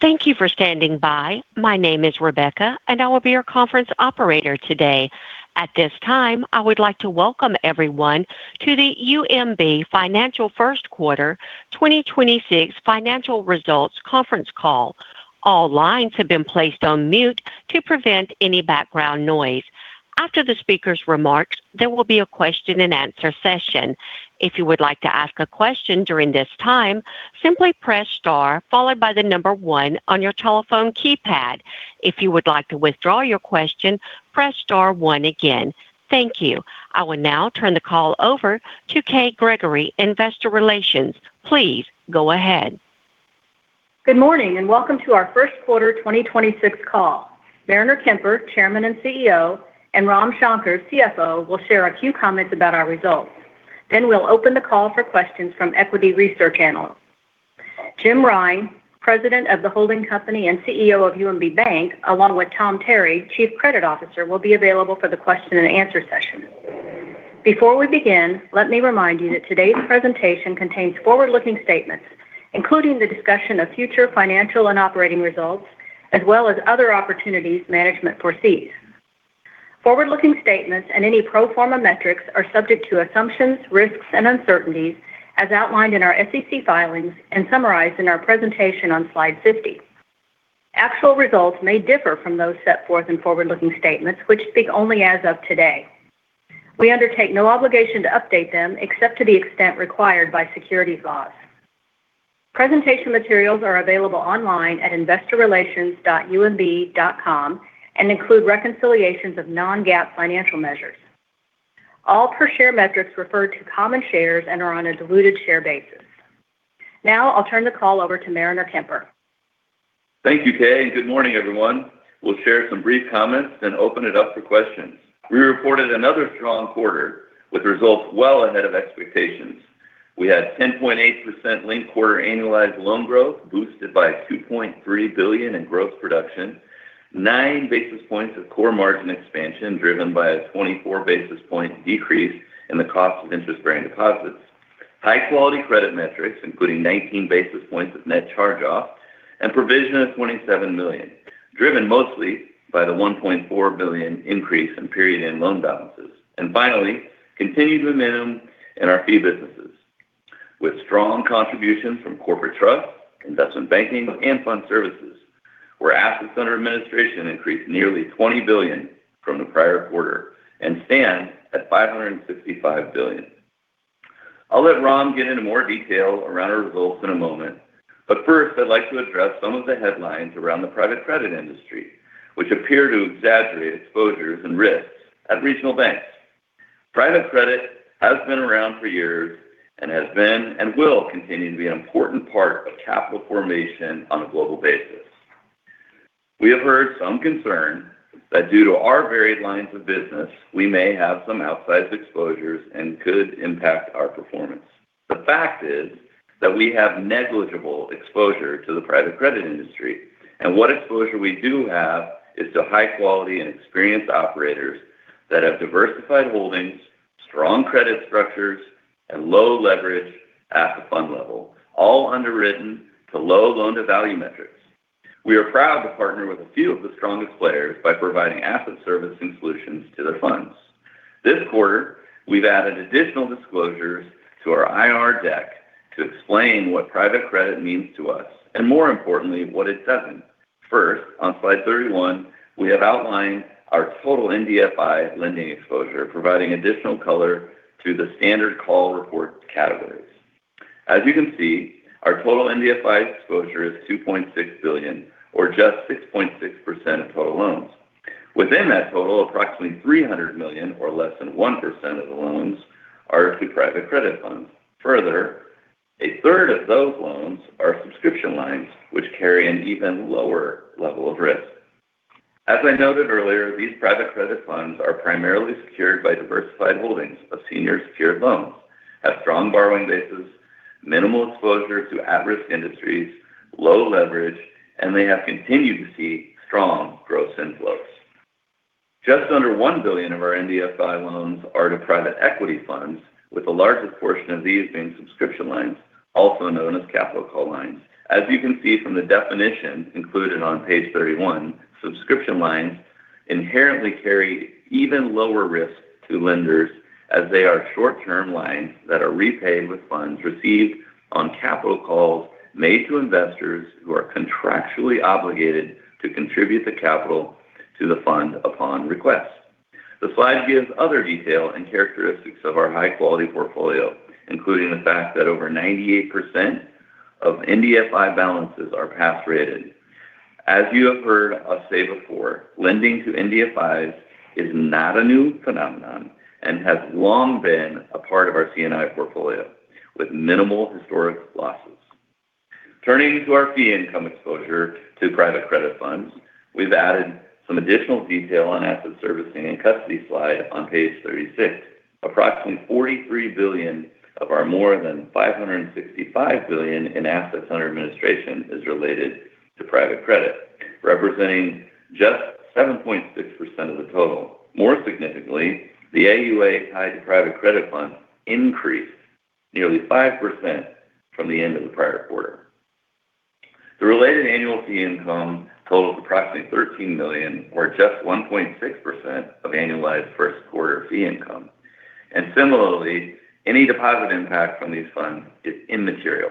Thank you for standing by. My name is Rebecca, and I will be your conference operator today. At this time, I would like to welcome everyone to the UMB Financial First Quarter 2026 Financial Results Conference Call. All lines have been placed on mute to prevent any background noise. After the speaker's remarks, there will be a question-and-answer session. If you would like to ask a question during this time, simply press star followed by the number one on your telephone keypad. If you would like to withdraw your question, press star one again. Thank you. I will now turn the call over to Kay Gregory, Investor Relations. Please go ahead. Good morning, and welcome to our first quarter 2026 call. Mariner Kemper, Chairman and CEO, and Ram Shankar, CFO, will share a few comments about our results. We'll open the call for questions from equity research analysts. Jim Rine, President of the holding company and CEO of UMB Bank, along with Tom Terry, Chief Credit Officer, will be available for the question and answer session. Before we begin, let me remind you that today's presentation contains forward-looking statements, including the discussion of future financial and operating results, as well as other opportunities management foresees. Forward-looking statements and any pro forma metrics are subject to assumptions, risks, and uncertainties as outlined in our SEC filings and summarized in our presentation on slide 50. Actual results may differ from those set forth in forward-looking statements which speak only as of today. We undertake no obligation to update them except to the extent required by securities laws. Presentation materials are available online at investorrelations.umb.com and include reconciliations of non-GAAP financial measures. All per share metrics refer to common shares and are on a diluted share basis. Now I'll turn the call over to Mariner Kemper. Thank you, Kay. Good morning, everyone. We'll share some brief comments, then open it up for questions. We reported another strong quarter with results well ahead of expectations. We had 10.8% linked-quarter annualized loan growth boosted by $2.3 billion in gross production, nine basis points of core margin expansion driven by a 24 basis point decrease in the cost of interest-bearing deposits, high quality credit metrics, including 19 basis points of net charge-off and provision of $27 million, driven mostly by the $1.4 billion increase in period-end loan balances. Finally, continued momentum in our fee businesses with strong contributions from corporate trust, investment banking, and fund services, where assets under administration increased nearly $20 billion from the prior quarter and stand at $565 billion. I'll let Ram get into more detail around our results in a moment. First, I'd like to address some of the headlines around the private credit industry, which appear to exaggerate exposures and risks at regional banks. Private credit has been around for years and has been and will continue to be an important part of capital formation on a global basis. We have heard some concern that due to our varied lines of business, we may have some outsized exposures and could impact our performance. The fact is that we have negligible exposure to the private credit industry, and what exposure we do have is to high quality and experienced operators that have diversified holdings, strong credit structures, and low leverage at the fund level, all underwritten to low loan-to-value metrics. We are proud to partner with a few of the strongest players by providing asset servicing solutions to their funds. This quarter, we've added additional disclosures to our IR deck to explain what private credit means to us and more importantly, what it doesn't. First, on slide 31, we have outlined our total MDFI lending exposure, providing additional color to the standard call report categories. As you can see, our total MDFI exposure is $2.6 billion or just 6.6% of total loans. Within that total, approximately $300 million or less than 1% of the loans are to private credit funds. Further, a third of those loans are subscription lines which carry an even lower level of risk. As I noted earlier, these private credit funds are primarily secured by diversified holdings of senior secured loans, have strong borrowing bases, minimal exposure to at-risk industries, low leverage, and they have continued to see strong gross inflows. Just under $1 billion of our MDFI loans are to private equity funds, with the largest portion of these being subscription lines, also known as capital call lines. As you can see from the definition included on page 31, subscription lines inherently carry even lower risk to lenders as they are short-term lines that are repaid with funds received on capital calls made to investors who are contractually obligated to contribute the capital to the fund upon request. The slide gives other detail and characteristics of our high quality portfolio, including the fact that over 98% of MDFI balances are pass rated. As you have heard us say before, lending to MDFIs is not a new phenomenon and has long been a part of our C&I portfolio with minimal historic losses. Turning to our fee income exposure to private credit funds, we've added some additional detail on asset servicing and custody slide on page 36. Approximately $43 billion of our more than $565 billion in assets under administration is related to private credit, representing just 7.6% of the total. More significantly, the AUA tied to private credit funds increased nearly 5% from the end of the prior quarter. The related annual fee income totaled approximately $13 million, or just 1.6% of annualized first quarter fee income. Similarly, any deposit impact from these funds is immaterial.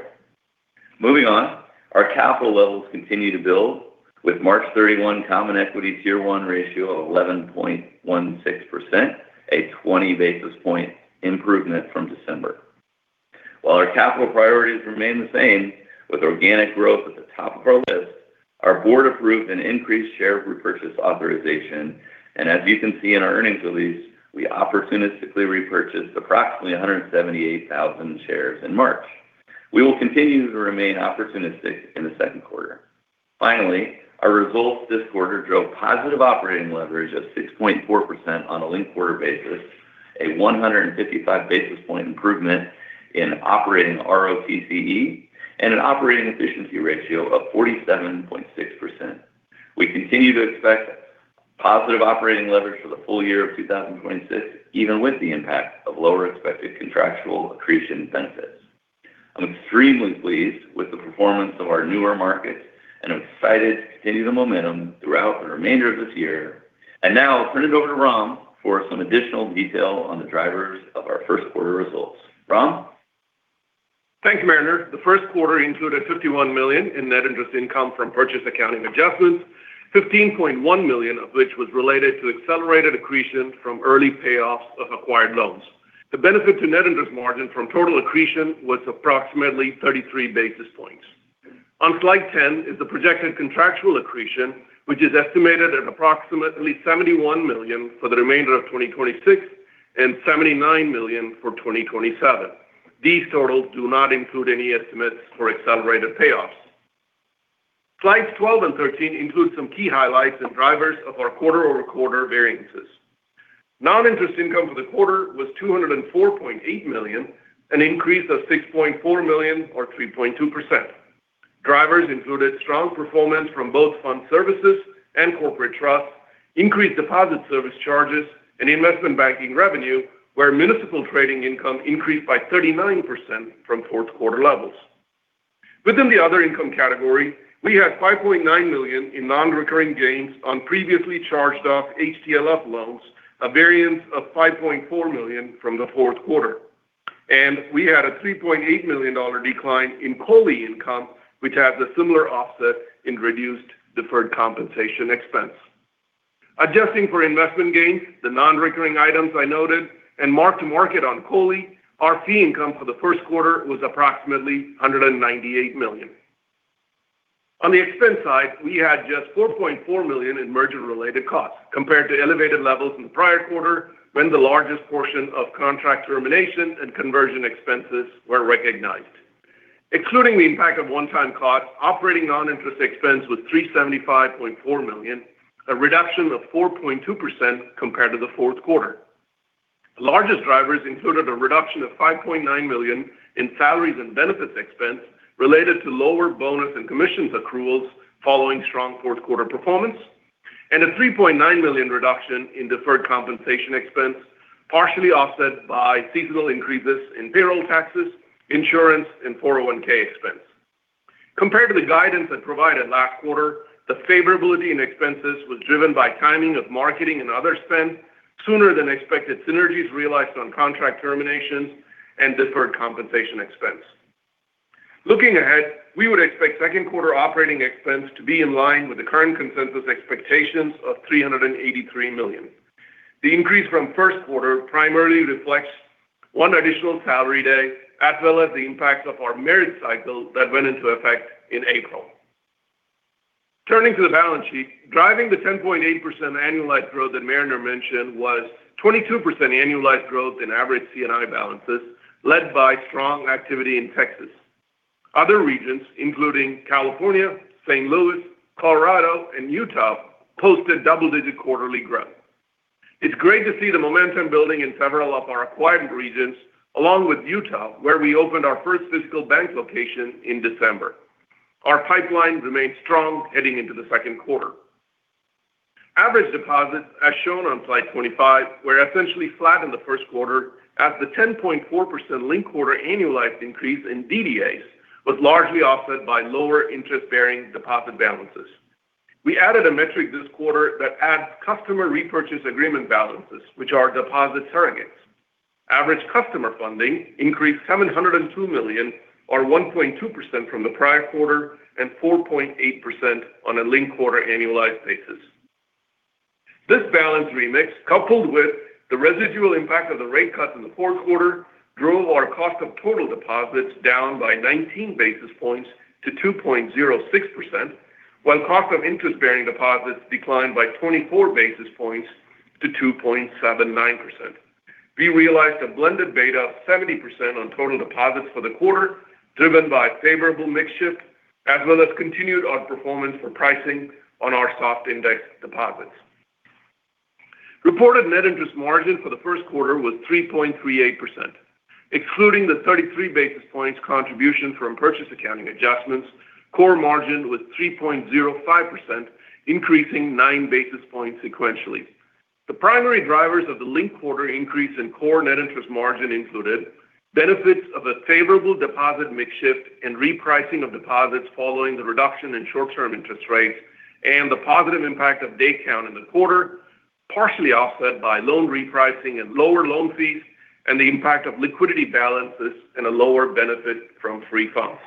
Moving on, our capital levels continue to build with March 31 CET1 ratio of 11.16%, a 20 basis point improvement from December. While our capital priorities remain the same with organic growth at the top of our list, our Board approved an increased share repurchase authorization. As you can see in our earnings release, we opportunistically repurchased approximately 178,000 shares in March. We will continue to remain opportunistic in the second quarter. Finally, our results this quarter drove positive operating leverage of 6.4% on a linked quarter basis, a 155 basis point improvement in operating ROTCE, and an operating efficiency ratio of 47.6%. We continue to expect positive operating leverage for the full-year of 2026, even with the impact of lower expected contractual accretion benefits. I'm extremely pleased with the performance of our newer markets and I'm excited to continue the momentum throughout the remainder of this year. Now I'll turn it over to Ram for some additional detail on the drivers of our first quarter results. Ram? Thanks, Mariner. The first quarter included $51 million in net interest income from purchase accounting adjustments, $15.1 million of which was related to accelerated accretion from early payoffs of acquired loans. The benefit to net interest margin from total accretion was approximately 33 basis points. On slide 10 is the projected contractual accretion, which is estimated at approximately $71 million for the remainder of 2026 and $79 million for 2027. These totals do not include any estimates for accelerated payoffs. Slides 12 and 13 include some key highlights and drivers of our quarter-over-quarter variances. Non-interest income for the quarter was $204.8 million, an increase of $6.4 million or 3.2%. Drivers included strong performance from both fund services and corporate trust, increased deposit service charges and investment banking revenue, where municipal trading income increased by 39% from fourth quarter levels. Within the other income category, we had $5.9 million in non-recurring gains on previously charged off HTLF loans, a variance of $5.4 million from the fourth quarter. We had a $3.8 million decline in COLI income, which has a similar offset in reduced deferred compensation expense. Adjusting for investment gains, the non-recurring items I noted, and mark-to-market on COLI, our fee income for the first quarter was approximately $198 million. On the expense side, we had just $4.4 million in merger-related costs compared to elevated levels in the prior quarter when the largest portion of contract termination and conversion expenses were recognized. Excluding the impact of one-time costs, operating non-interest expense was $375.4 million, a reduction of 4.2% compared to the fourth quarter. The largest drivers included a reduction of $5.9 million in salaries and benefits expense related to lower bonus and commissions accruals following strong fourth quarter performance, and a $3.9 million reduction in deferred compensation expense, partially offset by seasonal increases in payroll taxes, insurance, and 401(k) expense. Compared to the guidance I provided last quarter, the favorability in expenses was driven by timing of marketing and other spend, sooner than expected synergies realized on contract terminations and deferred compensation expense. Looking ahead, we would expect second quarter operating expense to be in line with the current consensus expectations of $383 million. The increase from first quarter primarily reflects one additional salary day, as well as the impact of our merit cycle that went into effect in April. Turning to the balance sheet, driving the 10.8% annualized growth that Mariner mentioned was 22% annualized growth in average C&I balances, led by strong activity in Texas. Other regions, including California, St. Louis, Colorado, and Utah, posted double-digit quarterly growth. It's great to see the momentum building in several of our acquired regions, along with Utah, where we opened our first physical bank location in December. Our pipeline remains strong heading into the second quarter. Average deposits, as shown on slide 25, were essentially flat in the first quarter as the 10.4% linked-quarter annualized increase in DDAs was largely offset by lower interest-bearing deposit balances. We added a metric this quarter that adds customer repurchase agreement balances, which are deposit surrogates. Average customer funding increased $702 million, or 1.2% from the prior quarter and 4.8% on a linked-quarter annualized basis. This balance remix, coupled with the residual impact of the rate cuts in the fourth quarter, drove our cost of total deposits down by 19 basis points to 2.06%, while cost of interest-bearing deposits declined by 24 basis points to 2.79%. We realized a blended beta of 70% on total deposits for the quarter, driven by favorable mix shift as well as continued outperformance for pricing on our SOFR index deposits. Reported net interest margin for the first quarter was 3.38%. Excluding the 33 basis points contribution from purchase accounting adjustments, core margin was 3.05%, increasing nine basis points sequentially. The primary drivers of the linked quarter increase in core net interest margin included benefits of a favorable deposit mix shift and repricing of deposits following the reduction in short-term interest rates and the positive impact of day count in the quarter, partially offset by loan repricing and lower loan fees and the impact of liquidity balances and a lower benefit from free funds.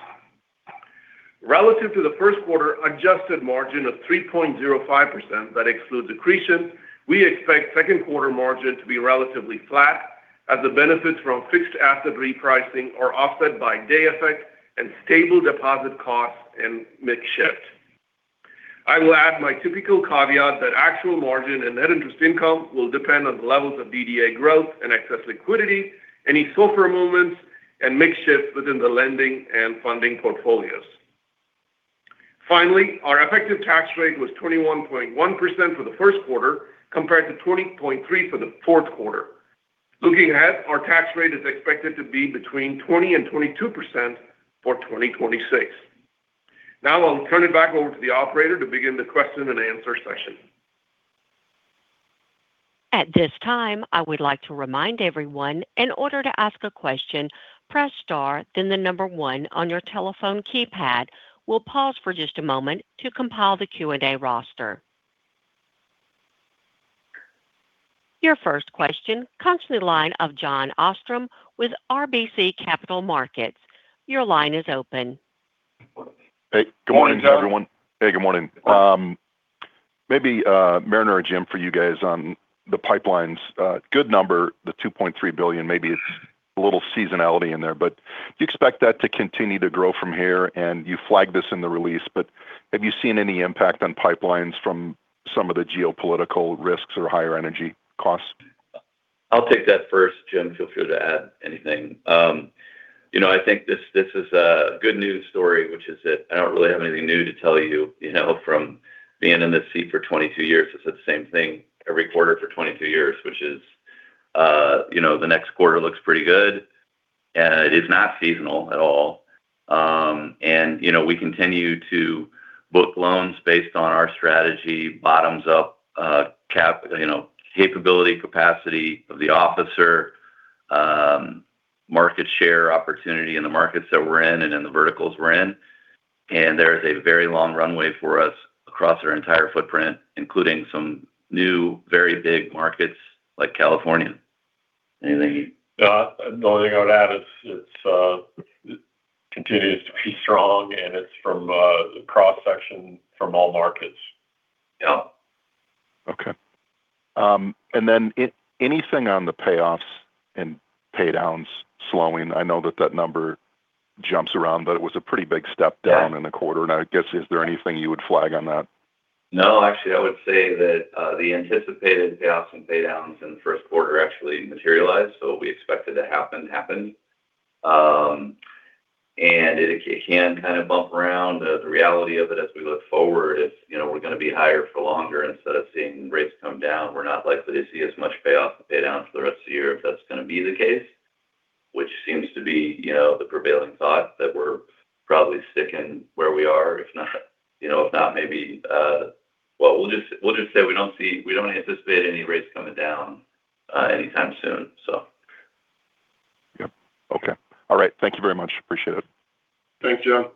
Relative to the first quarter adjusted margin of 3.05% that excludes accretion, we expect second quarter margin to be relatively flat as the benefits from fixed asset repricing are offset by day effect and stable deposit costs and mix shift. I will add my typical caveat that actual margin and net interest income will depend on the levels of DDA growth and excess liquidity, any SOFR movements, and mix shift within the lending and funding portfolios. Finally, our effective tax rate was 21.1% for the first quarter compared to 20.3% for the fourth quarter. Looking ahead, our tax rate is expected to be between 20%-22% for 2026. Now I'll turn it back over to the operator to begin the question-and-answer session. Your first question comes from the line of Jon Arfstrom with RBC Capital Markets. Hey, good morning to everyone. Morning, Jon. Hey, good morning. Maybe, Mariner or Jim, for you guys on the pipelines, a good number, the $2.3 billion, maybe it's a little seasonality in there. Do you expect that to continue to grow from here? You flagged this in the release, but have you seen any impact on pipelines from some of the geopolitical risks or higher energy costs? I'll take that first. Jim, feel free to add anything. You know, I think this is a good news story, which is that I don't really have anything new to tell you know, from being in this seat for 22 years. It's the same thing every quarter for 22 years, which is, you know, the next quarter looks pretty good, and it is not seasonal at all. You know, we continue to book loans based on our strategy, bottoms up, capability, capacity of the officer, market share opportunity in the markets that we're in and in the verticals we're in. There is a very long runway for us across our entire footprint, including some new, very big markets like California. Anything you- The only thing I would add is it's continues to be strong, and it's from a cross-section from all markets. Yeah. Okay. Anything on the payoffs and pay downs slowing? I know that that number jumps around, but it was a pretty big step down in the quarter. Is there anything you would flag on that? No, actually, I would say that the anticipated payoffs and pay downs in the first quarter actually materialized. What we expected to happen happened. It can kind of bump around. The reality of it as we look forward is, you know, we're going to be higher for longer. Instead of seeing rates come down, we're not likely to see as much payoff and pay down for the rest of the year if that's going to be the case, which seems to be, you know, the prevailing thought that we're probably sticking where we are. If not, you know, maybe. We'll just say we don't anticipate any rates coming down anytime soon. Yep. Okay. All right. Thank you very much. Appreciate it. Thanks, Jon.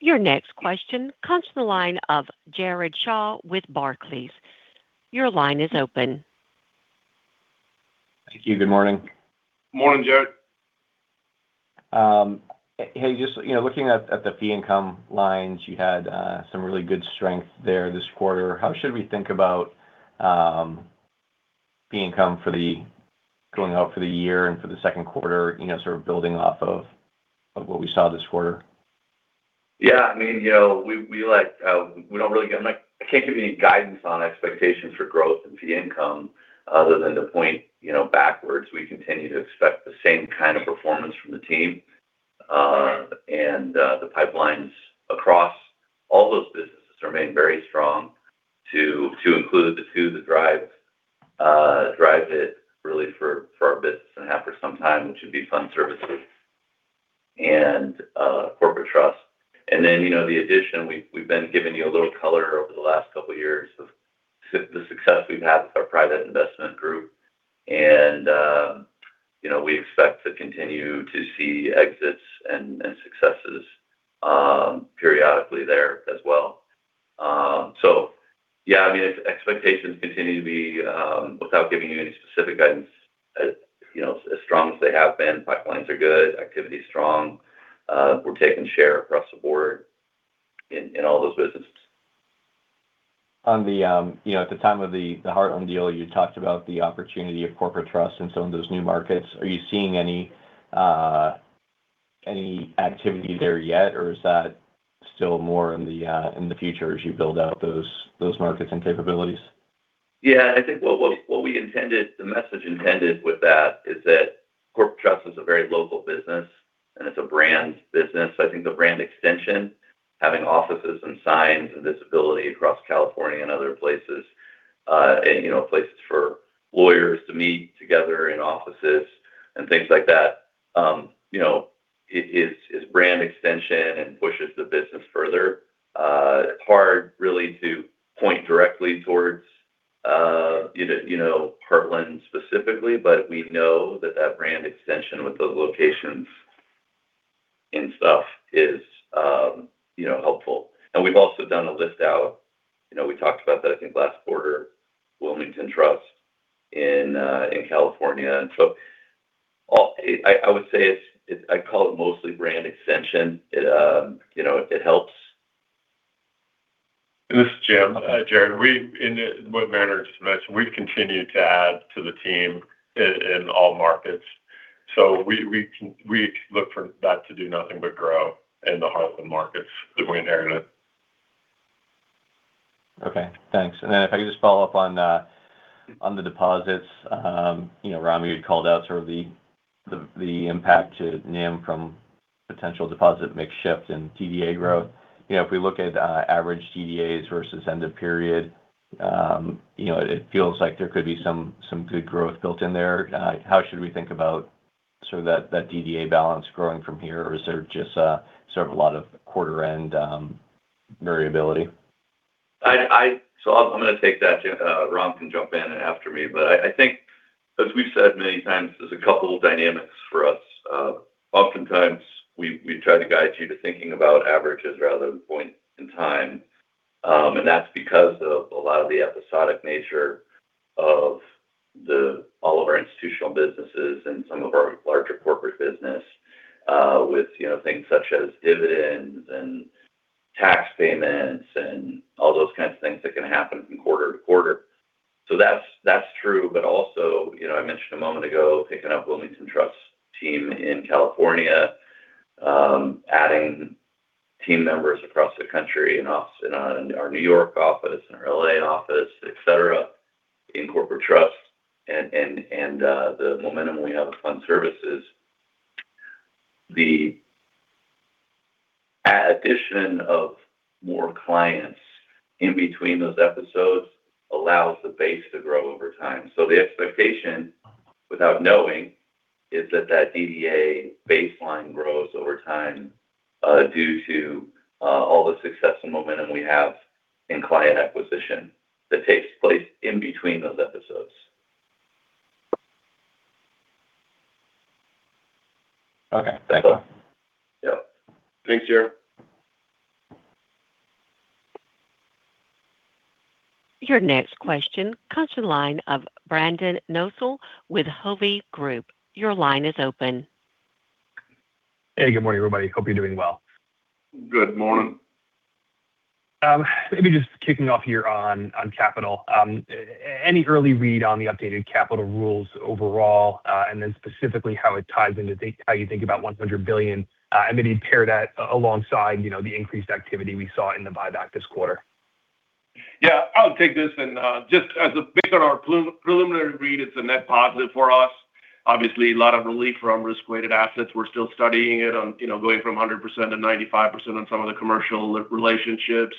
Your next question comes to the line of Jared Shaw with Barclays. Your line is open. Thank you. Good morning. Morning, Jared. Hey, just, you know, looking at the fee income lines, you had some really good strength there this quarter. How should we think about fee income for the year and for the second quarter, you know, sort of building off of what we saw this quarter? Yeah, I mean, you know, we like, I can't give you any guidance on expectations for growth and fee income other than to point, you know, backwards. We continue to expect the same kind of performance from the team. The pipelines across all those businesses remain very strong to include the two that drive it really for our business and have for some time, which would be fund services and corporate trust. You know, the addition, we've been giving you a little color over the last couple of years of the success we've had with our private investment group. You know, we expect to continue to see exits and successes periodically there as well. Yeah, I mean, expectations continue to be, without giving you any specific guidance, you know, as strong as they have been. Pipelines are good. Activity is strong. We're taking share across the board in all those businesses. On the, you know, at the time of the Heartland deal, you talked about the opportunity of corporate trust in some of those new markets. Are you seeing any activity there yet? Is that still more in the future as you build out those markets and capabilities? Yeah, I think what we intended, the message intended with that is that corporate trust is a very local business, and it's a brand business. I think the brand extension, having offices and signs and visibility across California and other places. And you know, places for lawyers to meet together in offices and things like that. You know, it is brand extension and pushes the business further. It's hard really to point directly towards, you know, Heartland specifically. We know that that brand extension with those locations and stuff is, you know, helpful. We've also done a list out. You know, we talked about that I think last quarter, Wilmington Trust in California. I would say it's, I'd call it mostly brand extension. It, you know, it helps. This is Jim. Jared, in what Mariner just mentioned, we've continued to add to the team in all markets. We look for that to do nothing but grow in the Heartland markets that we inherited. Okay, thanks. If I could just follow up on the deposits. You know, Ram, you'd called out sort of the impact to NIM from potential deposit mix shift and DDA growth. You know, if we look at average DDAs versus end of period, you know, it feels like there could be some good growth built in there. How should we think about sort of that DDA balance growing from here? Is there just a sort of a lot of quarter end variability? I'm gonna take that. Jim, Ram can jump in after me. I think as we've said many times, there's a couple dynamics for us. Oftentimes we try to guide you to thinking about averages rather than points in time. That's because of a lot of the episodic nature of all of our institutional businesses and some of our larger corporate business, with, you know, things such as dividends and tax payments and all those kinds of things that can happen from quarter-to-quarter. That's true. Also, you know, I mentioned a moment ago picking up Wilmington Trust's team in California, adding team members across the country in our New York office and our L.A. office, et cetera, in corporate trust and the momentum we have with fund services. The addition of more clients in between those episodes allows the base to grow over time. The expectation without knowing is that that DDA baseline grows over time, due to all the success and momentum we have in client acquisition that takes place in between those episodes. Okay. Thanks. Yeah. Thanks, Jared. Your next question comes to the line of Brendan Nosal with Hovde Group. Your line is open. Hey, good morning, everybody. Hope you're doing well. Good morning. Maybe just kicking off here on capital. Any early read on the updated capital rules overall, and then specifically how it ties into how you think about $100 billion? Maybe pair that alongside, you know, the increased activity we saw in the buyback this quarter. Yeah. I'll take this. Just as based on our preliminary read, it's a net positive for us. Obviously a lot of relief from risk-weighted assets. We're still studying it on, you know, going from 100% to 95% on some of the commercial relationships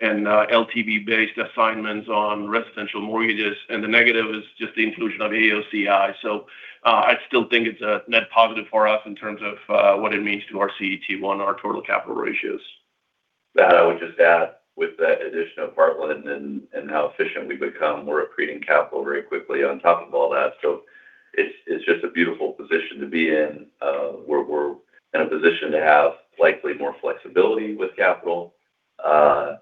and LTV-based assignments on residential mortgages. The negative is just the inclusion of AOCI. I still think it's a net positive for us in terms of what it means to our CET1, our total capital ratios. That I would just add with the addition of Heartland and how efficient we've become, we're accreting capital very quickly on top of all that. It's just a beautiful position to be in. We're in a position to have likely more flexibility with capital. All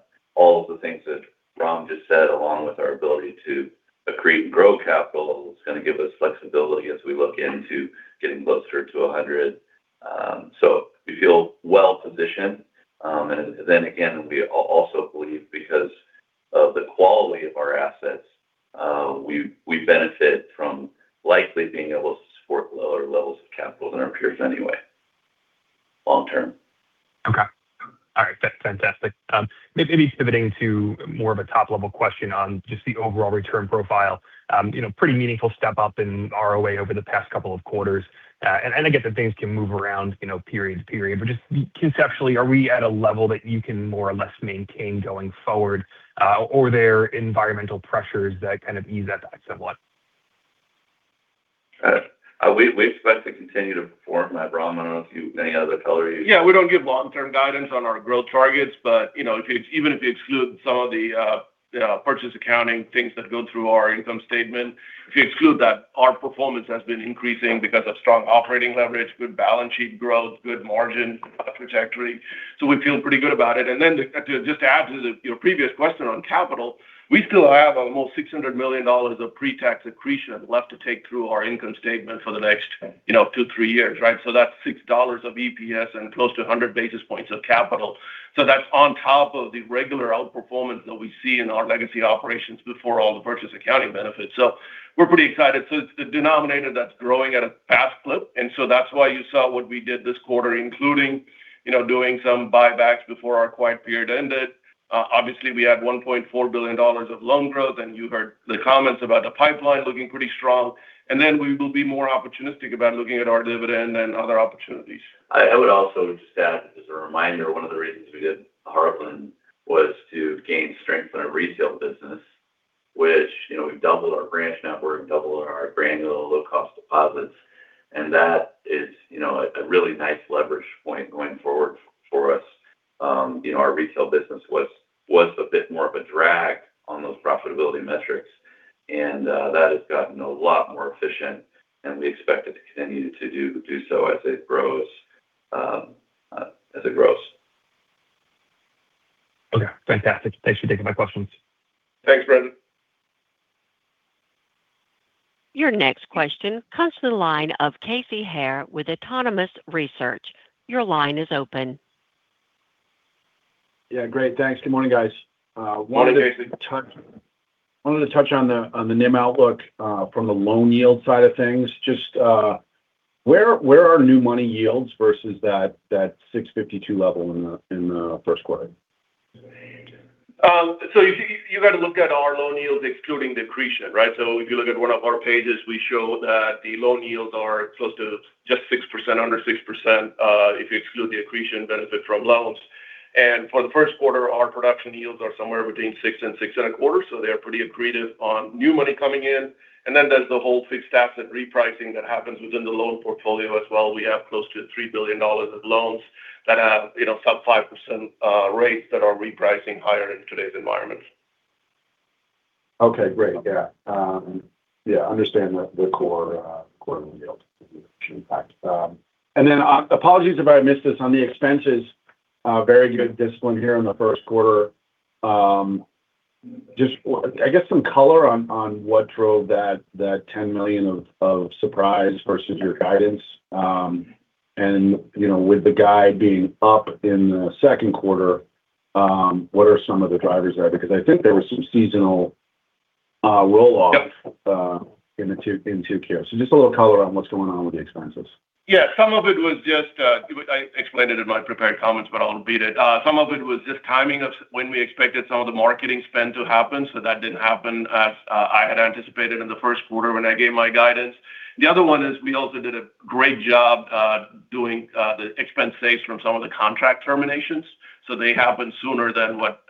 of the things that Ram just said, along with our ability to accrete and grow capital is gonna give us flexibility as we look into getting closer to 100. We feel well positioned. Again, we also believe because of the quality of our assets, we benefit from likely being able to support lower levels of capital than our peers anyway, long term. Okay. All right. That's fantastic. maybe pivoting to more of a top level question on just the overall return profile. you know, pretty meaningful step up in ROA over the past couple of quarters. I get that things can move around, you know, period to period. Just conceptually, are we at a level that you can more or less maintain going forward? Are there environmental pressures that kind of ease that back somewhat? We expect to continue to perform that. Ram, I don't know if you any other color you. Yeah. We don't give long-term guidance on our growth targets, you know, even if you exclude some of the purchase accounting things that go through our income statement, if you exclude that, our performance has been increasing because of strong operating leverage, good balance sheet growth, good margin trajectory. We feel pretty good about it. To just add to your previous question on capital, we still have almost $600 million of pre-tax accretion left to take through our income statement for the next, you know, two-three years, right? That's $6 of EPS and close to 100 basis points of capital. That's on top of the regular outperformance that we see in our legacy operations before all the purchase accounting benefits. We're pretty excited. It's the denominator that's growing at a fast clip, and so that's why you saw what we did this quarter, including, you know, doing some buybacks before our quiet period ended. Obviously we had $1.4 billion of loan growth, and you heard the comments about the pipeline looking pretty strong. We will be more opportunistic about looking at our dividend and other opportunities. I would also just add as a reminder, one of the reasons we did Heartland was to gain strength in our retail business, which, you know, we've doubled our branch network, doubled our granular low-cost deposits. That is, you know, a really nice leverage point going forward for us. You know, our retail business was a bit more of a drag on those profitability metrics. That has gotten a lot more efficient, and we expect it to continue to do so as it grows, as it grows. Okay. Fantastic. Thanks for taking my questions. Thanks, Brendan. Your next question comes to the line of Casey Haire with Autonomous Research. Your line is open. Yeah, great, thanks. Good morning, guys. Morning, Casey. wanted to touch on the NIM outlook from the loan yield side of things. Just where are new money yields versus that 6.52 level in the first quarter? You, you gotta look at our loan yields excluding the accretion, right? If you look at one of our pages, we show that the loan yields are close to just 6%, under 6%, if you exclude the accretion benefit from loans. For the first quarter, our production yields are somewhere between 6% and 6.25%, so they're pretty accretive on new money coming in. There's the whole fixed asset repricing that happens within the loan portfolio as well. We have close to $3 billion of loans that have sub 5% rates that are repricing higher in today's environment. Okay, great. Yeah. Yeah, understand that the core yield impact. Then, apologies if I missed this. On the expenses, very good discipline here in the first quarter. Just, I guess some color on what drove that $10 million of surprise versus your guidance. You know, with the guide being up in the second quarter, what are some of the drivers there? Because I think there was some seasonal, roll-off. Yep. In 2Q, just a little color on what's going on with the expenses. Yeah. Some of it was just, I explained it in my prepared comments, but I'll repeat it. Some of it was just timing of when we expected some of the marketing spend to happen, so that didn't happen as I had anticipated in the first quarter when I gave my guidance. The other one is we also did a great job doing the expense saves from some of the contract terminations. They happened sooner than what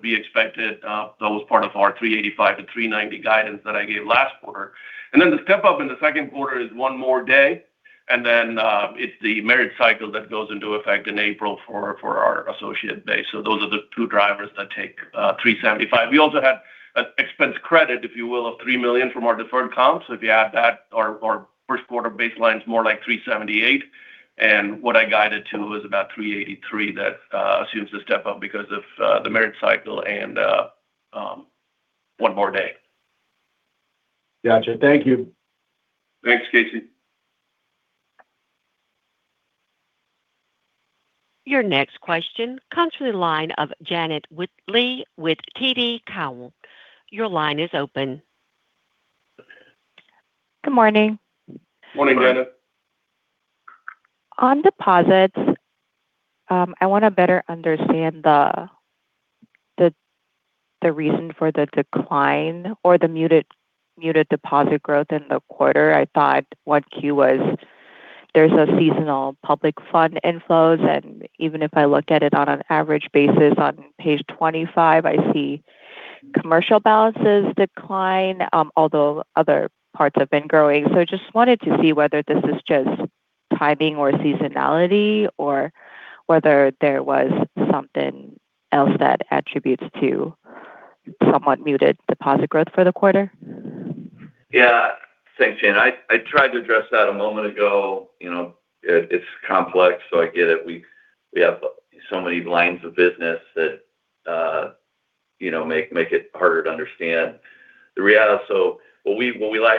we expected. That was part of our $385-$390 guidance that I gave last quarter. The step up in the second quarter is one more day. It's the merit cycle that goes into effect in April for our associate base. Those are the two drivers that take $375. We also had an expense credit, if you will, of $3 million from our deferred comp. If you add that, our first quarter baseline's more like $378. What I guided to was about $383 that assumes the step up because of the merit cycle and one more day. Gotcha. Thank you. Thanks, Casey. Your next question comes from the line of Janet Lee with TD Cowen. Your line is open. Good morning. Morning, Janet. On deposits, I want to better understand the, the reason for the decline or the muted deposit growth in the quarter. I thought 1Q was there's a seasonal public fund inflows, and even if I look at it on an average basis on page 25, I see commercial balances decline, although other parts have been growing. Just wanted to see whether this is just timing or seasonality or whether there was something else that attributes to somewhat muted deposit growth for the quarter. Thanks, Janet. I tried to address that a moment ago. You know, it's complex. I get it. We have so many lines of business that, you know, make it harder to understand the reality.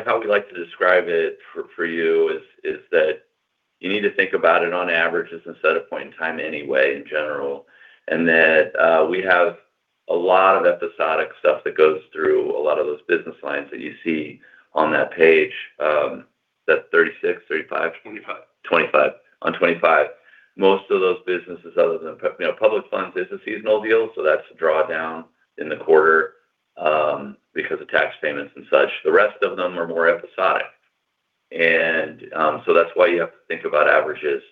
How we like to describe it for you is that you need to think about it on averages instead of point in time anyway in general. That we have a lot of episodic stuff that goes through a lot of those business lines that you see on that page. Is that 36, 35? 25. 25. On 25. Most of those businesses other than, you know, public funds is a seasonal deal. That's a drawdown in the quarter because of tax payments and such. The rest of them are more episodic. That's why you have to think about averages.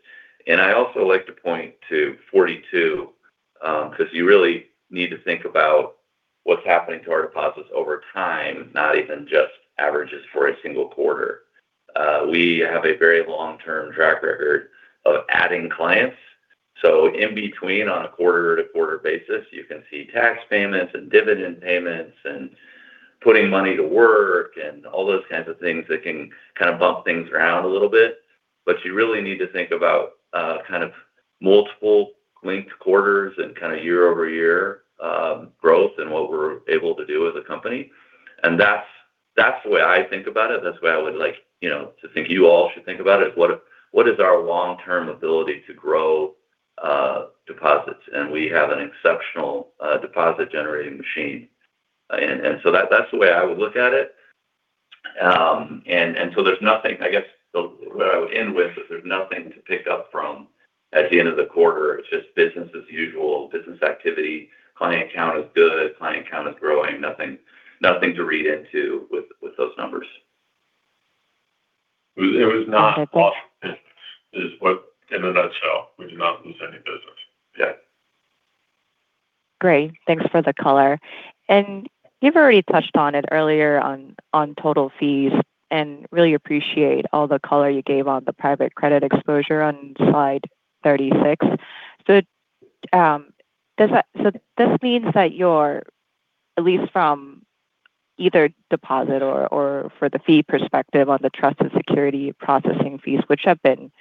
I also like to point to 42, because you really need to think about what's happening to our deposits over time, not even just averages for a one quarter. We have a very long term track record of adding clients. In between, on a quarter-to-quarter basis, you can see tax payments and dividend payments and putting money to work and all those kinds of things that can kind of bump things around a little bit. You really need to think about kind of multiple linked-quarters and kind of year-over-year growth and what we're able to do as a company. That's, that's the way I think about it. That's the way I would like, you know, to think you all should think about it. What is our long term ability to grow, deposits? We have an exceptional deposit generating machine. That's the way I would look at it. There's nothing, I guess, so what I would end with is there's nothing to pick up from at the end of the quarter. It's just business as usual. Business activity. Client count is good. Client count is growing. Nothing to read into with those numbers. It was not lost business is what, in a nutshell, we did not lose any business. Yeah. Great. Thanks for the color. You've already touched on it earlier on total fees, and really appreciate all the color you gave on the private credit exposure on slide 36. This means that you're, at least from either deposit or for the fee perspective on the trust and security processing fees, which have been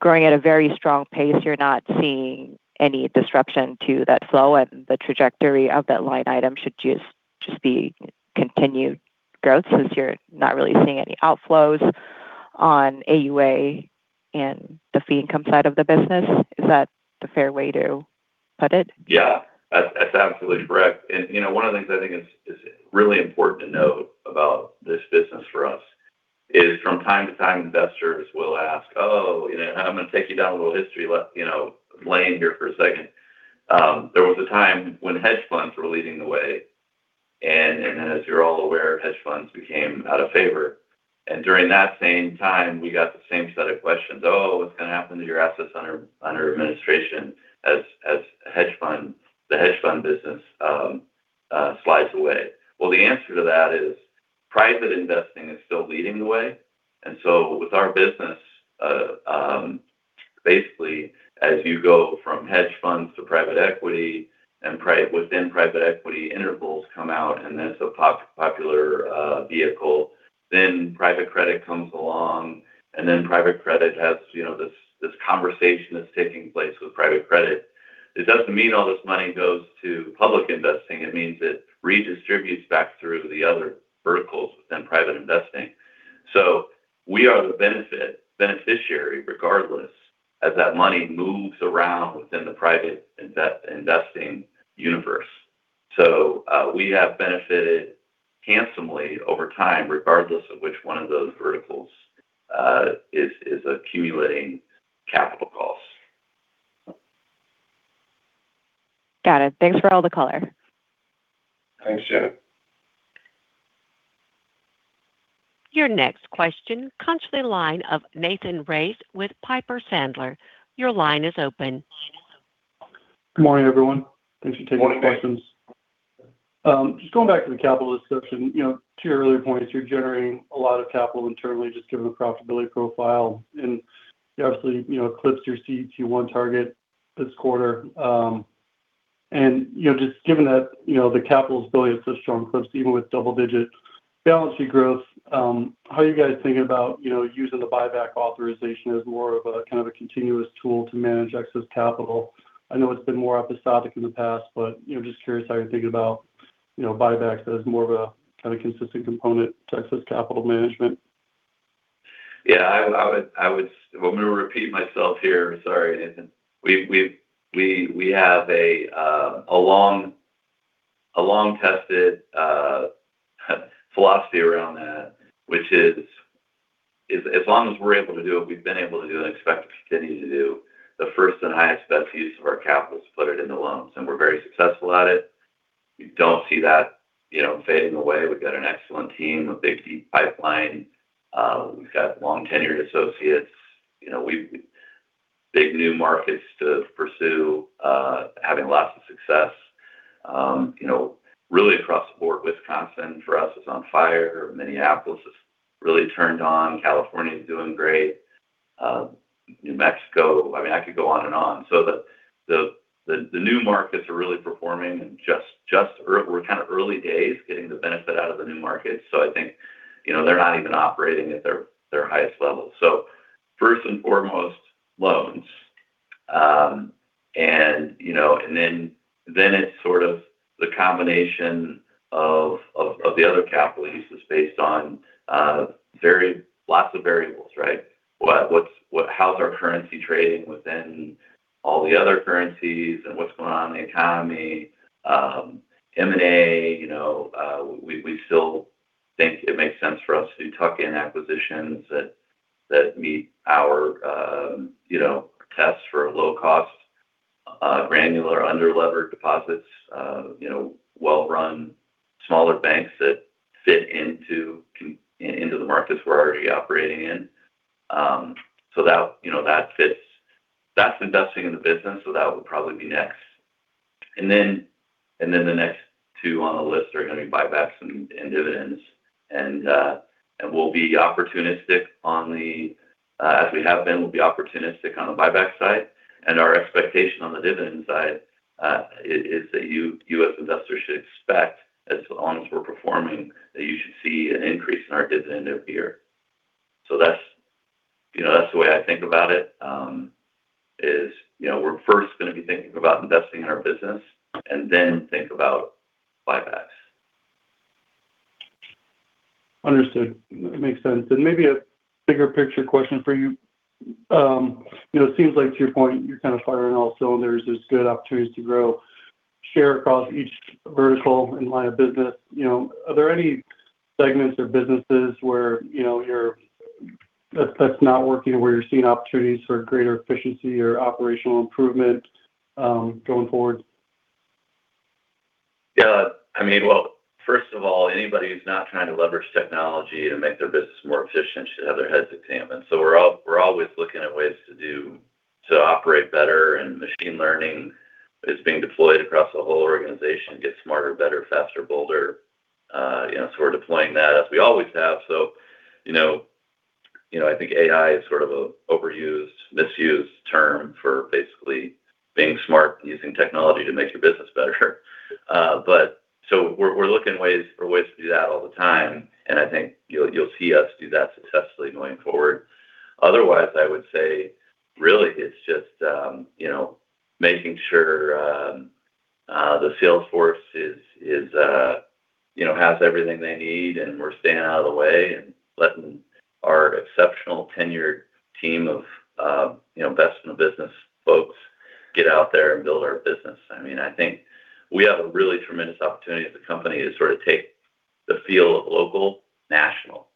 growing at a very strong pace, you're not seeing any disruption to that flow. The trajectory of that line item should just be continued growth since you're not really seeing any outflows on AUA and the fee income side of the business. Is that the fair way to put it? Yeah. That's absolutely correct. You know, one of the things I think is really important to note about this business for us is from time to time, investors will ask, "Oh," you know, I'm gonna take you down a little history lane here for a second. There was a time when hedge funds were leading the way. As you're all aware, hedge funds became out of favor. During that same time, we got the same set of questions, "Oh, what's gonna happen to your assets under administration as hedge fund, the hedge fund business, slides away?" Well, the answer to that is private investing is still leading the way. With our business, basically, as you go from hedge funds to private equity and within private equity, intervals come out, and that's a popular vehicle. Private credit comes along, private credit has, you know, this conversation that's taking place with private credit. It doesn't mean all this money goes to public investing. It means it redistributes back through the other verticals within private investing. We are the beneficiary regardless as that money moves around within the private investing universe. We have benefited handsomely over time, regardless of which one of those verticals is accumulating capital costs. Got it. Thanks for all the color. Thanks, Janet. Your next question comes to the line of Nathan Race with Piper Sandler. Your line is open. Good morning, everyone. Thanks for taking my questions. Good morning. Just going back to the capital discussion, you know, to your earlier points, you're generating a lot of capital internally just given the profitability profile. You obviously, you know, eclipsed your CET1 target this quarter. You know, just given that, you know, the capital's ability is so strong, eclipses even with double-digit balance sheet growth, how are you guys thinking about, you know, using the buyback authorization as more of a kind of a continuous tool to manage excess capital? I know it's been more episodic in the past, but, you know, just curious how you're thinking about, you know, buybacks as more of a kind of consistent component to excess capital management. Yeah. I would, well, I'm gonna repeat myself here. Sorry, Nathan. We have a long-tested philosophy around that, which is, as long as we're able to do what we've been able to do and expect to continue to do, the first and highest best use of our capital is to put it into loans, and we're very successful at it. We don't see that, you know, fading away. We've got an excellent team, a big, deep pipeline. We've got long-tenured associates. You know, we've big new markets to pursue, having lots of success. You know, really across the board. Wisconsin for us is on fire. Minneapolis is really turned on. California is doing great. New Mexico. I mean, I could go on and on. The new markets are really performing and just early days getting the benefit out of the new markets. I think, you know, they're not even operating at their highest level. First and foremost, loans. You know, then it's sort of the combination of the other capital uses based on lots of variables, right? How's our currency trading within all the other currencies and what's going on in the economy. M&A, you know, we still think it makes sense for us to tuck in acquisitions that meet our, you know, tests for low cost, granular underlevered deposits. You know, well-run smaller banks that fit into the markets we're already operating in. That, you know, that fits. That's investing in the business, so that would probably be next. The next two on the list are gonna be buybacks and dividends. We'll be opportunistic on the, as we have been, we'll be opportunistic on the buyback side. Our expectation on the dividend side is that you as investors should expect, as long as we're performing, that you should see an increase in our dividend every year. That's, you know, that's the way I think about it, is, you know, we're first gonna be thinking about investing in our business and then think about buybacks. Understood. Makes sense. Maybe a bigger picture question for you. you know, it seems like to your point, you're kind of firing on all cylinders. There's good opportunities to grow share across each vertical and line of business. You know, are there any segments or businesses where, you know, that's not working or where you're seeing opportunities for greater efficiency or operational improvement, going forward? Yeah. I mean, well, first of all, anybody who's not trying to leverage technology to make their business more efficient should have their heads examined. We're always looking at ways to operate better, and machine learning is being deployed across the whole organization. Get smarter, better, faster, bolder. You know, we're deploying that as we always have. You know, I think AI is sort of a overused, misused term for basically being smart and using technology to make your business better. We're looking for ways to do that all the time, and I think you'll see us do that successfully going forward. Otherwise, I would say really it's just, you know, making sure, the sales force is, you know, has everything they need, and we're staying out of the way and letting our exceptional tenured team of, you know, best in the business folks get out there and build our business. I mean, I think we have a really tremendous opportunity as a company to sort of take the feel of local national.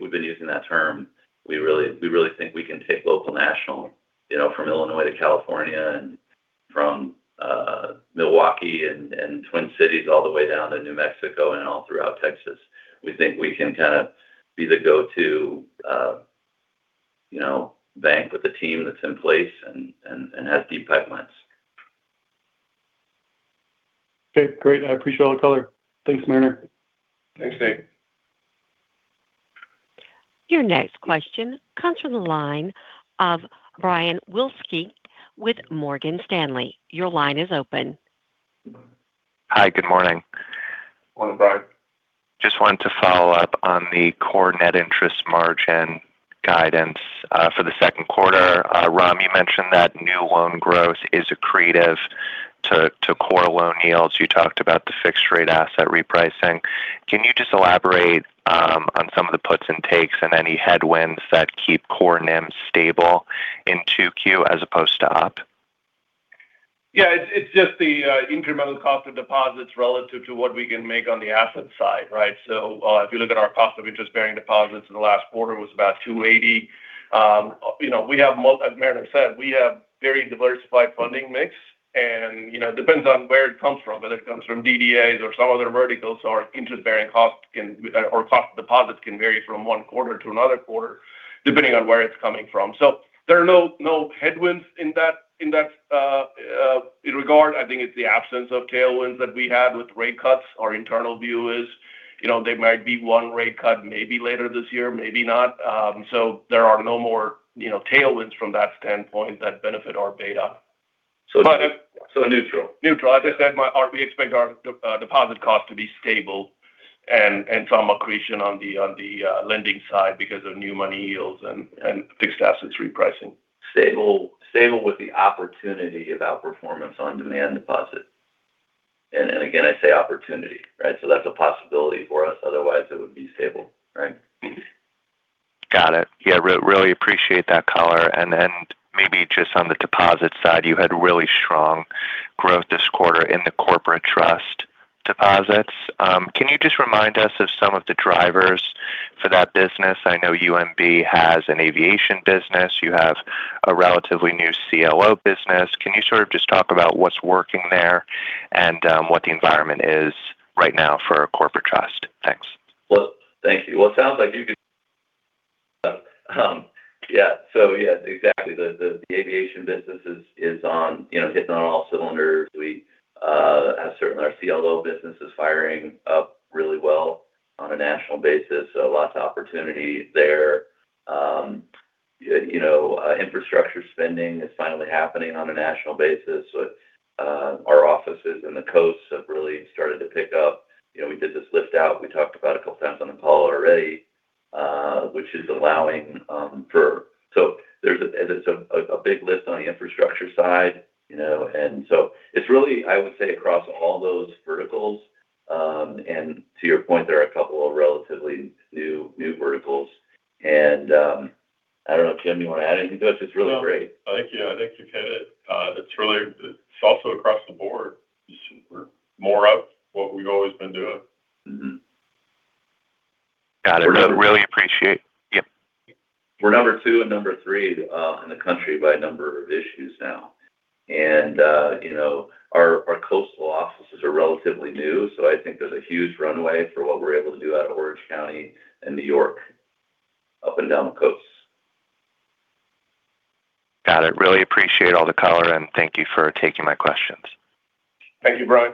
We've been using that term. We really think we can take local national, you know, from Illinois to California and from, Milwaukee and Twin Cities all the way down to New Mexico and all throughout Texas. We think we can kind of be the go-to, you know, bank with the team that's in place and has deep pipelines. Okay. Great. I appreciate all the color. Thanks, Mariner. Thanks, Nathan. Your next question comes from the line of Brian Wilczynski with Morgan Stanley. Your line is open. Hi. Good morning. Morning, Brian. Just wanted to follow up on the core net interest margin guidance for the second quarter. Ram, you mentioned that new loan growth is accretive to core loan yields. You talked about the fixed rate asset repricing. Can you just elaborate on some of the puts and takes and any headwinds that keep core NIM stable in 2Q as opposed to up? It's just the incremental cost of deposits relative to what we can make on the asset side, right? If you look at our cost of interest-bearing deposits in the last quarter was about $2.80. You know, we have as Mariner said, we have very diversified funding mix and, you know, depends on where it comes from, whether it comes from DDAs or some other verticals or interest bearing cost deposits can vary from one quarter to another quarter depending on where it's coming from. There are no headwinds in that in regard. I think it's the absence of tailwinds that we had with rate cuts. Our internal view is, you know, there might be one rate cut maybe later this year, maybe not. There are no more, you know, tailwinds from that standpoint that benefit our beta. So, neutral. Neutral. I just said we expect our deposit cost to be stable and some accretion on the lending side because of new money yields and fixed assets repricing. Stable, stable with the opportunity of outperformance on demand deposit. Again, I say opportunity, right? That's a possibility for us, otherwise it would be stable, right? Mm-hmm. Got it. Yeah. Really appreciate that color. And maybe just on the deposit side, you had really strong growth this quarter in the corporate trust deposits. Can you just remind us of some of the drivers for that business? I know UMB has an aviation business. You have a relatively new CLO business. Can you sort of just talk about what's working there and what the environment is right now for corporate trust? Thanks. Well, thank you. Well, it sounds like. Yeah, exactly. The aviation business is, you know, hitting on all cylinders. We have certainly our CLO business is firing up really well on a national basis, lots of opportunity there. You know, infrastructure spending is finally happening on a national basis. Our offices in the coasts have really started to pick up. You know, we did this lift out, we talked about a couple times on the call already, which is allowing for. It's a big lift on the infrastructure side, you know. It's really, I would say, across all those verticals. To your point, there are a couple of relatively new verticals and, I don't know, Jim, you want to add anything to that? Just really great. No. I think, yeah, I think you hit it. It's also across the board. Just we're more of what we've always been doing. Got it. Really appreciate. Yeah. We're number two and number three, in the country by a number of issues now. You know, our coastal offices are relatively new, so I think there's a huge runway for what we're able to do out of Orange County and New York, up and down the coasts. Got it. Really appreciate all the color. Thank you for taking my questions. Thank you, Brian.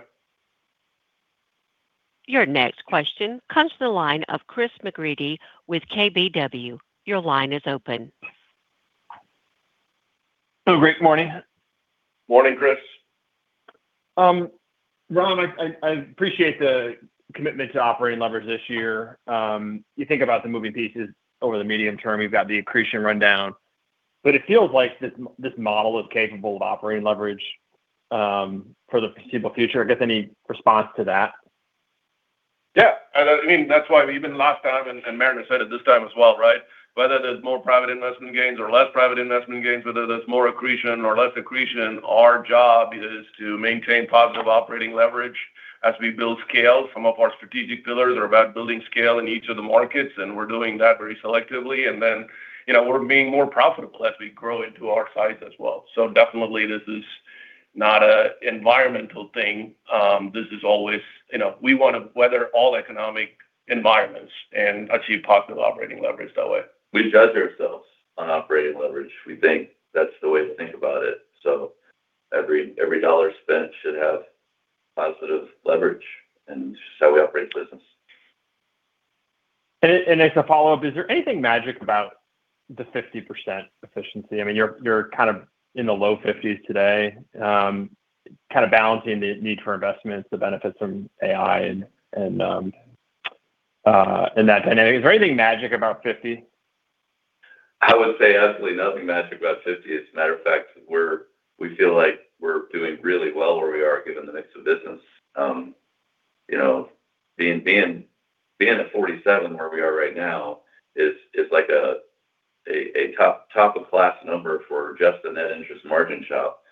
Your next question comes to the line of Chris McGratty with KBW. Your line is open. Oh, good morning. Morning, Chris. Ram, I appreciate the commitment to operating leverage this year. You think about the moving pieces over the medium term, you've got the accretion rundown. It feels like this model is capable of operating leverage for the foreseeable future. I guess any response to that? Yeah. I mean, that's why even last time, and Mariner said it this time as well, right? Whether there's more private investment gains or less private investment gains, whether there's more accretion or less accretion, our job is to maintain positive operating leverage as we build scale. Some of our strategic pillars are about building scale in each of the markets, we're doing that very selectively. You know, we're being more profitable as we grow into our size as well. Definitely this is not an environmental thing. This is always, you know, we wanna weather all economic environments and achieve positive operating leverage that way. We judge ourselves on operating leverage. We think that's the way to think about it. Every dollar spent should have positive leverage, and so we operate business. As a follow-up, is there anything magic about the 50% efficiency? I mean, you're kind of in the low 50% today, kind of balancing the need for investments, the benefits from AI and that dynamic. Is there anything magic about 50%? I would say absolutely nothing magic about 50%. As a matter of fact, we feel like we're doing really well where we are given the mix of business. You know, being at 47% where we are right now is like a top of class number for just the net interest margin shop.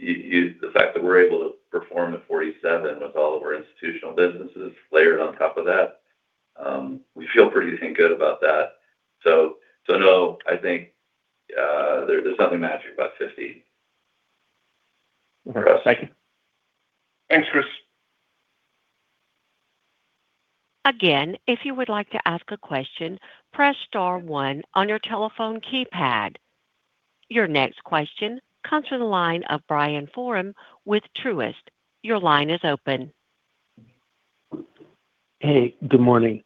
The fact that we're able to perform at 47% with all of our institutional businesses layered on top of that, we feel pretty damn good about that. No, I think there's nothing magic about 50%. Thank you. Thanks, Chris. Again, if you would like to ask a question, press star one on your telephone keypad. Your next question comes from the line of Brian Foran with Truist. Your line is open. Hey, good morning.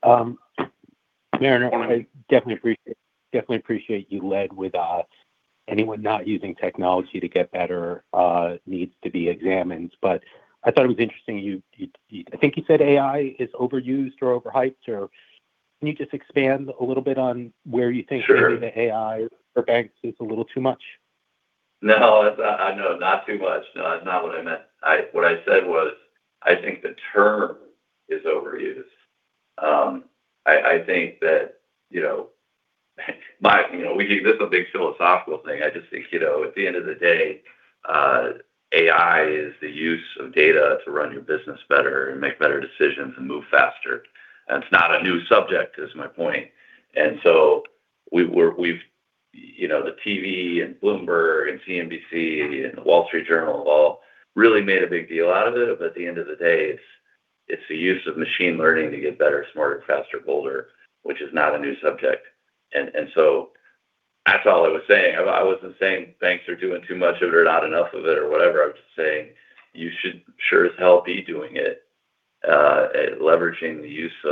Mariner, I definitely appreciate you led with anyone not using technology to get better needs to be examined. I thought it was interesting you I think you said AI is overused or overhyped. Can you just expand a little bit on where you think? Sure maybe the AI for banks is a little too much? No. It's no, not too much. No, not what I meant. What I said was, I think the term is overused. I think that, you know, we think this is a big philosophical thing. I just think, you know, at the end of the day, AI is the use of data to run your business better and make better decisions and move faster. It's not a new subject is my point. We've, you know, the TV and Bloomberg and CNBC and The Wall Street Journal have all really made a big deal out of it. At the end of the day, it's the use of machine learning to get better, smarter, faster, bolder, which is not a new subject. That's all I was saying. I wasn't saying banks are doing too much of it or not enough of it or whatever. I was just saying, you should sure as hell be doing it, leveraging the use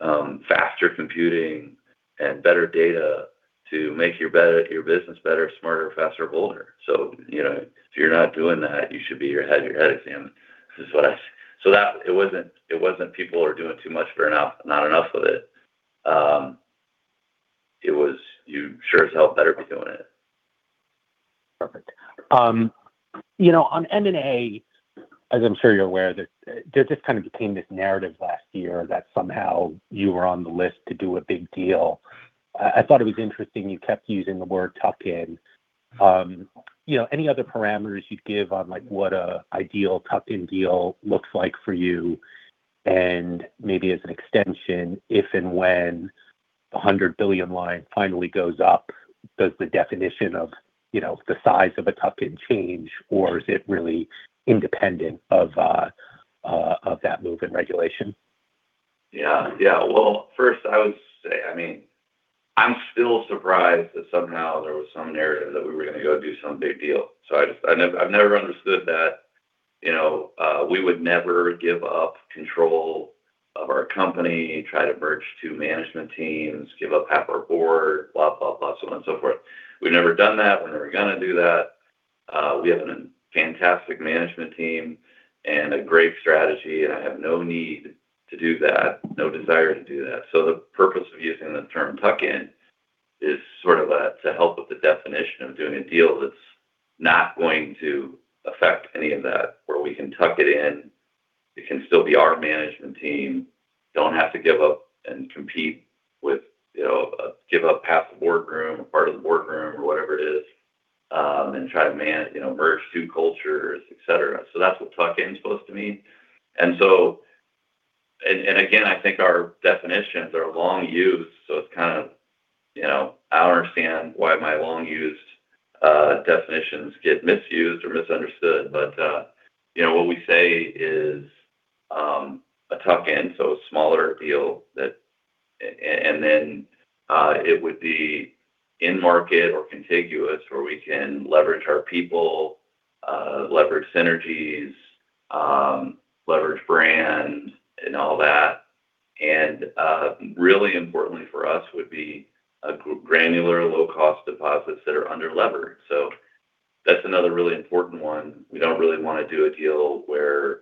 of faster computing and better data to make your business better, smarter, faster, bolder. You know, if you're not doing that, you should be your head examined. This is what it wasn't people are doing too much or enough, not enough of it. It was you sure as hell better be doing it. Perfect. You know, on M&A, as I'm sure you're aware that there just kind of became this narrative last year that somehow you were on the list to do a big deal. I thought it was interesting you kept using the word tuck in. You know, any other parameters you'd give on, like, what a ideal tuck-in deal looks like for you? Maybe as an extension, if and when the $100 billion line finally goes up, does the definition of, you know, the size of a tuck in change, or is it really independent of that move in regulation? Yeah. Yeah. First I would say, I mean, I'm still surprised that somehow there was some narrative that we were gonna go do some big deal. I've never understood that. You know, we would never give up control of our company, try to merge two management teams, give up half our board, blah, blah, so on and so forth. We've never done that. We're never gonna do that. We have a fantastic management team and a great strategy, and I have no need to do that, no desire to do that. The purpose of using the term tuck in is sort of a, to help with the definition of doing a deal that's not going to affect any of that. Where we can tuck it in, it can still be our management team. Don't have to give up and compete with, you know, give up half the boardroom or part of the boardroom or whatever it is, and try to, you know, merge two cultures, et cetera. That's what tuck-in's supposed to mean. Again, I think our definitions are long-used, so it's kind of, you know, I don't understand why my long-used definitions get misused or misunderstood. You know, what we say is a tuck-in, a smaller deal, and then it would be in market or contiguous where we can leverage our people, leverage synergies, leverage brand and all that. Really importantly for us would be a granular low-cost deposits that are underlevered. That's another really important one. We don't really wanna do a deal where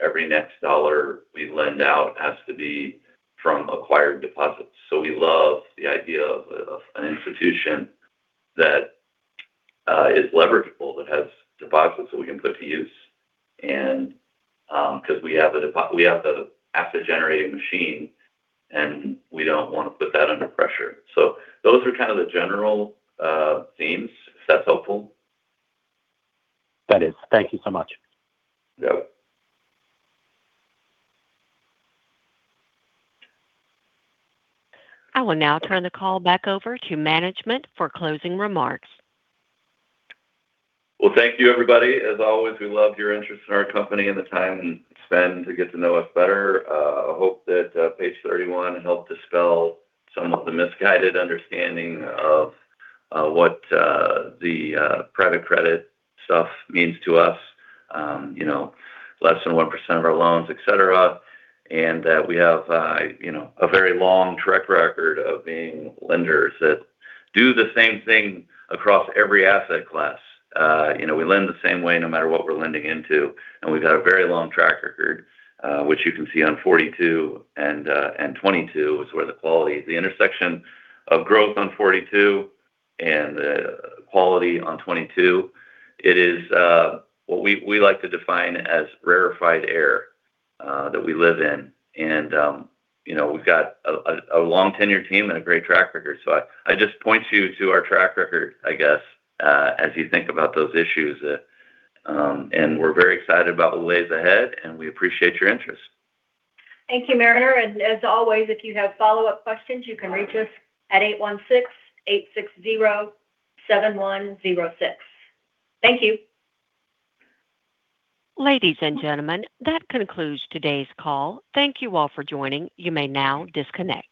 every next dollar we lend out has to be from acquired deposits. We love the idea of an institution that is leverageable, that has deposits that we can put to use. 'Cause we have the asset generating machine, and we don't wanna put that under pressure. Those are kind of the general themes. Is that helpful? That is. Thank you so much. Yep. I will now turn the call back over to management for closing remarks. Well, thank you, everybody. As always, we love your interest in our company and the time spent to get to know us better. I hope that page 31 helped dispel some of the misguided understanding of what the private credit stuff means to us. You know, less than 1% of our loans, et cetera. That we have, you know, a very long track record of being lenders that do the same thing across every asset class. You know, we lend the same way no matter what we're lending into, and we've got a very long track record, which you can see on 42 and 22 is where the quality. The intersection of growth on 42 and quality on 22, it is what we like to define as rarefied air that we live in. You know, we've got a long tenured team and a great track record. I just point you to our track record, I guess, as you think about those issues. We're very excited about the ways ahead, and we appreciate your interest. Thank you, Mariner. As always, if you have follow-up questions, you can reach us at 816-860-7106. Thank you. Ladies and gentlemen, that concludes today's call. Thank you all for joining. You may now disconnect.